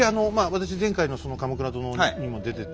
私前回のその「鎌倉殿」にも出てて。